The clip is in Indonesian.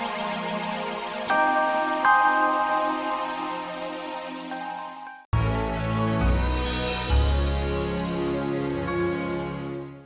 ketawa diri dalam mempertimbangkan agsc religious praise